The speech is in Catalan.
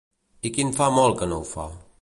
I quin fa molt que no ho fa?